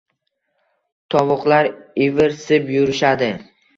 Tovuqlar ivirsib yurishadi